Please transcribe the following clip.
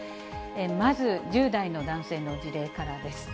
まず、１０代の男性の事例からです。